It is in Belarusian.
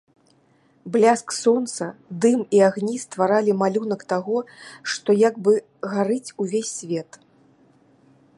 Бляск сонца, дым і агні стваралі малюнак таго, што як бы гарыць увесь свет.